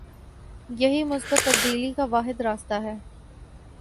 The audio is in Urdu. یہی مثبت تبدیلی کا واحد راستہ ہے۔